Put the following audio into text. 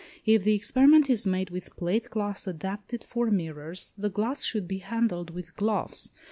If the experiment is made with plate glass adapted for mirrors, the glass should be handled with gloves.